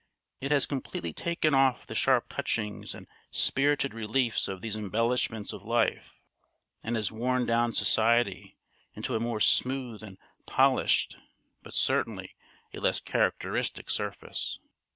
It has completely taken off the sharp touchings and spirited reliefs of these embellishments of life, and has worn down society into a more smooth and polished, but certainly a less characteristic surface.